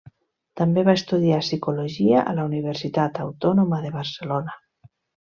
També va estudiar psicologia a la Universitat Autònoma de Barcelona.